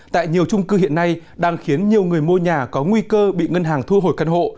tại nhiều trung cư hiện nay đang khiến nhiều người mua nhà có nguy cơ bị ngân hàng thu hồi căn hộ